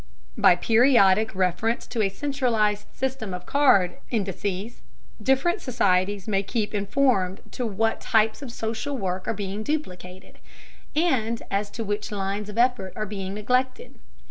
By periodic reference to a centralized system of card indices, different societies may keep informed to what types of social work are being duplicated, and as to which lines of effort are being neglected.